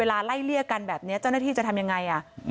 ไล่เลี่ยกันแบบนี้เจ้าหน้าที่จะทำยังไง